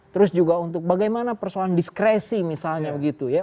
terus juga untuk bagaimana persoalan diskresi misalnya begitu ya